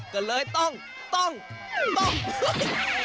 ก็เลยต้องต้องต้อง